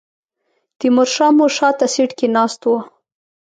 تیمور شاه مو شاته سیټ کې ناست و.